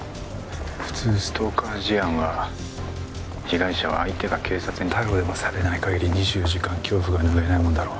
普通ストーカー事案は被害者は相手が警察に逮捕でもされない限り２４時間恐怖が拭えないもんだろ。